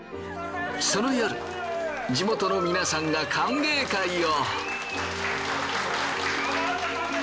その夜地元の皆さんが歓迎会を。